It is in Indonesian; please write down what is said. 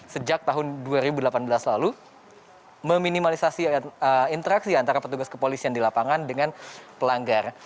sejak tahun dua ribu delapan belas lalu meminimalisasi interaksi antara petugas kepolisian di lapangan dengan pelanggar